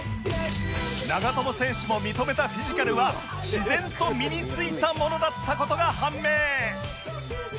長友選手も認めたフィジカルは自然と身についたものだった事が判明！